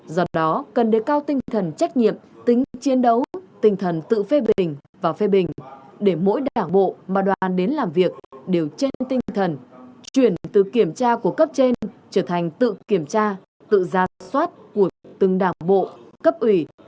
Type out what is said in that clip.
do đó cần đề cao tinh thần trách nhiệm tính chiến đấu tinh thần tự phê bình và phê bình để mỗi đảng bộ mà đoàn đến làm việc đều trên tinh thần chuyển từ kiểm tra của cấp trên trở thành tự kiểm tra tự ra soát của từng đảng bộ cấp ủy